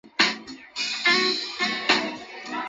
胎盘由以血管与结缔组织构成的脐带与胚胎相连。